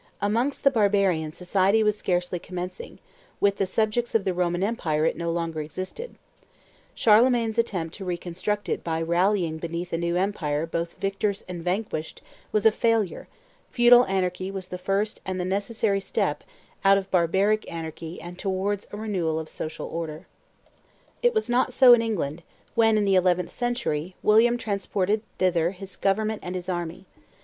Amongst the barbarians society was scarcely commencing; with the subjects of the Roman empire it no longer existed; Charlemagne's attempt to reconstruct it by rallying beneath a new empire both victors and vanquished was a failure; feudal anarchy was the first and the necessary step out of barbaric anarchy and towards a renewal of social order. It was not so in England, when, in the eleventh century, William transported thither his government and his army.